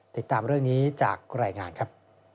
ติดตามเรื่องนี้จากรายงานครับ